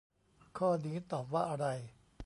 ข้อนี้ตอบว่าอะไร